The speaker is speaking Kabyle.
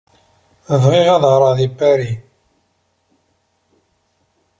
Bɣiɣ ad ɣreɣ deg Paris!